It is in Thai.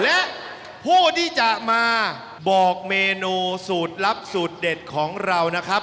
และผู้ที่จะมาบอกเมนูสูตรลับสูตรเด็ดของเรานะครับ